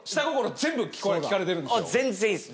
全然いいです